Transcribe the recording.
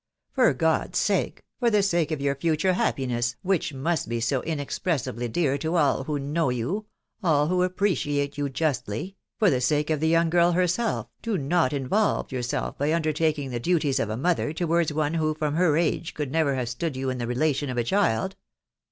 .... For God's sake— for the sake of your future happiness, which must be so inex pressibly dear to all who know you .... all who appreciate you justly ••.. for the sake of the young girl herself, do not involve yourself by undertaking the duties of a mother towards one who from her age could never have stood to you in the relation of a child."